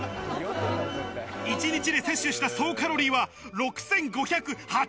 一日で摂取した総カロリーは６５８０ｋｃａｌ。